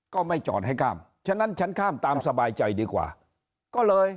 ก็ไม่จอดให้ข้ามฉะนั้นฉันข้ามตามสบายใจดีกว่าก็เลย